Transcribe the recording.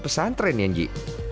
pesantren ya ji